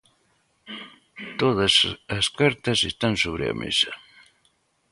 Todas as cartas están sobre a mesa.